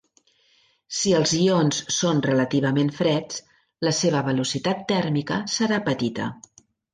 Si els ions són relativament freds, la seva velocitat tèrmica serà petita.